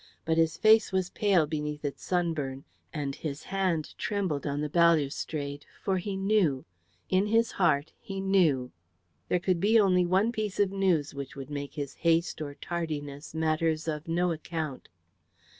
But his face was pale beneath its sunburn, and his hand trembled on the balustrade; for he knew in his heart he knew. There could be only one piece of news which would make his haste or tardiness matters of no account.